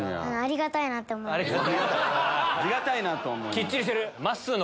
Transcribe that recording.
きっちりしてる！